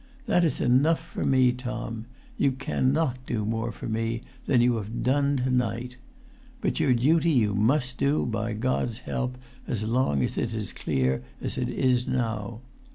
That is enough for me, Tom. You cannot do more for me than you have done to night. But your duty you must do, by God's help, as long as it is as clear as it is now.